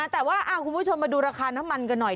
แต่ว่าคุณผู้ชมมาดูราคาน้ำมันกันหน่อย